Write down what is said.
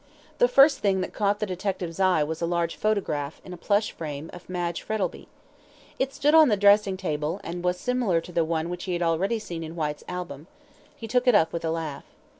The first thing that caught the detective's eye was a large photograph, in a plush frame, of Madge Frettlby. It stood on the dressing table, and was similar to that one which he had already seen in Whyte's album. He took it up with a laugh.